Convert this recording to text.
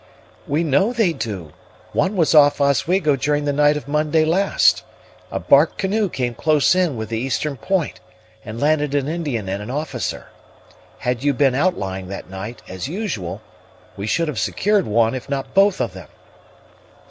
"We know they do; one was off Oswego during the night of Monday last. A bark canoe came close in with the eastern point, and landed an Indian and an officer. Had you been outlying that night, as usual, we should have secured one, if not both of them."